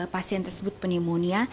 pasien tersebut pneumonia